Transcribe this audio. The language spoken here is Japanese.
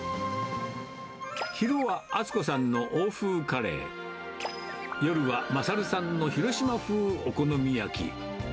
昼は厚子さんの欧風カレー、夜は賢さんの広島風お好み焼き。